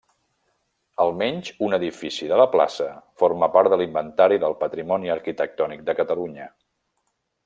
Almenys un edifici de la plaça forma part de l'Inventari del Patrimoni Arquitectònic de Catalunya.